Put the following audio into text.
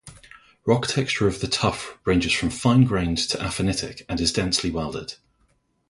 Rock texture of the tuff ranges from fine-grained to aphanitic and is densely welded.